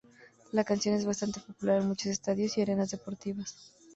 La canción es bastante popular en muchos estadios y arenas deportivos.